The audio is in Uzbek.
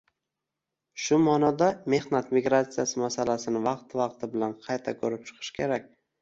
Shu ma'noda, mehnat migratsiyasi masalasini vaqti-vaqti bilan qayta ko'rib chiqish kerak